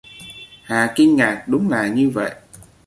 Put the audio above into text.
Hà kinh ngạc đúng là như vậy